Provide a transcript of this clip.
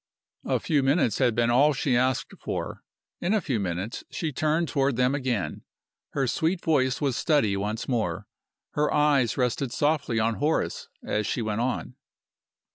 A few minutes had been all she asked for. In a few minutes she turned toward them again. Her sweet voice was steady once more; her eyes rested softly on Horace as she went on.